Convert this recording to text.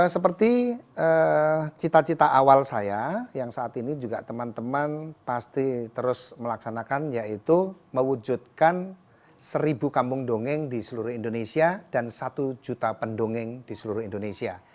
seperti cita cita awal saya yang saat ini juga teman teman pasti terus melaksanakan yaitu mewujudkan seribu kampung dongeng di seluruh indonesia dan satu juta pendongeng di seluruh indonesia